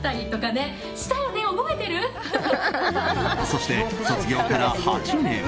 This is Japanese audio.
そして卒業から８年。